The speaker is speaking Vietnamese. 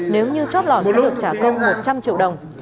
nếu như chóp lỏ sẽ được trả công một trăm linh triệu đồng